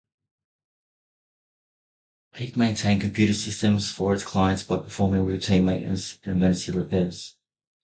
Peak maintained computer systems for its clients by performing routine maintenance and emergency repairs.